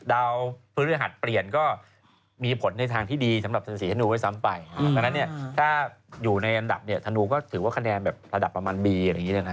ดาวภูมิอาหัสเปลี่ยนก็มีผลในทางที่ดีสำหรับศัลสีทะนูไว้ซ้ำไป